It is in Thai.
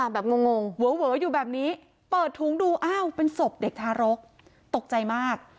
งงเวออยู่แบบนี้เปิดถุงดูอ้าวเป็นศพเด็กทารกตกใจมาก